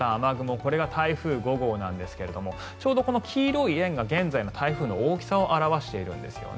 これが台風５号なんですがちょうど黄色い円が現在の台風の大きさを表しているんですよね。